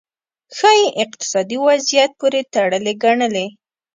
ښايي اقتصادي وضعیت پورې تړلې ګڼلې.